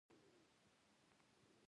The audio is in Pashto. په نویو جامو بدل شول.